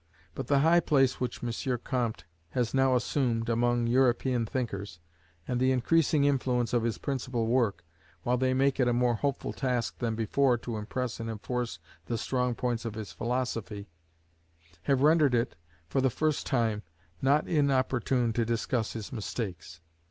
But the high place which M. Comte has now assumed among European thinkers, and the increasing influence of his principal work, while they make it a more hopeful task than before to impress and enforce the strong points of his philosophy, have rendered it, for the first time, not inopportune to discuss his mistakes.